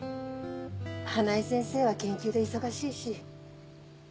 花井先生は研究で忙しいし。